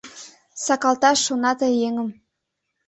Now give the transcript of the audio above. Сакалташ шона ты еҥым.